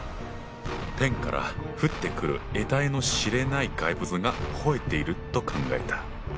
天から降ってくるえたいの知れない怪物が吠えていると考えた。